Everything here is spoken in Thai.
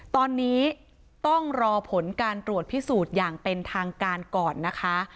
ตอนนี้ต้องรอผลการตรวจพิสูจน์อย่างเป็นทางการก่อนนะคะ